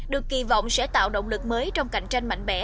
được kỳ vọng sẽ tạo động lực mới trong cạnh tranh mạnh mẽ